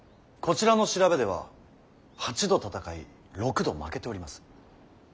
こちらの調べでは８度戦い６度負けております。